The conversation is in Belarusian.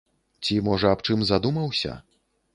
Ці, можа, аб чым задумаўся?